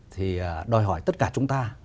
thì đòi hỏi tất cả chúng ta